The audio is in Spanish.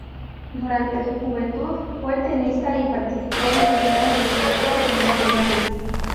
Durante su juventud fue tenista y participó en torneos regionales y nacionales.